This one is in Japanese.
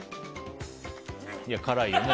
辛いよね。